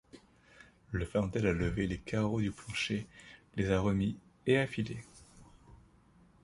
Le fanandel a levé les carreaux du plancher, les a remis, et a filé.